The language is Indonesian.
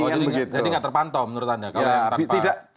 jadi nggak terpantau menurut anda